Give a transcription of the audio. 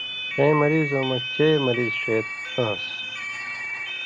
ݜَیں مریضؤں مہ چے مریض ݜے آن٘س